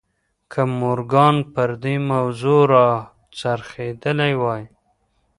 که مورګان پر دې موضوع را څرخېدلی وای.